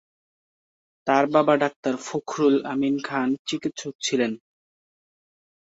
তার বাবা ডাক্তার ফখরুল আমিন খান চিকিৎসক ছিলেন।